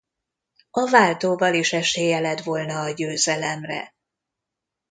A váltóval is esélye lett volna a győzelemre.